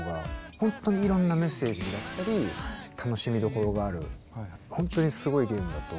ほんとにいろんなメッセージだったり楽しみどころがあるほんとにすごいゲームだと思いますね。